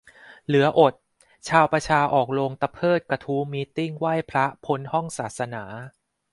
เหลืออด ! ชาวประชาออกโรงตะเพิดกระทู้มีตติ้งไหว้พระพ้นห้องศาสนา !